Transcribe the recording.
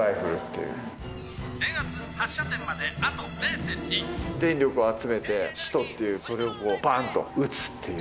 ・電圧発射点まであと０．２・電力を集めて使徒っていうそれをバン！と撃つっていう。